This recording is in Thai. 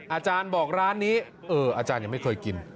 อาจารย์บอกร้านนี้อาจารย์ยังไม่เคยกิน